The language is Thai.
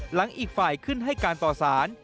อีกฝ่ายขึ้นให้การต่อสาร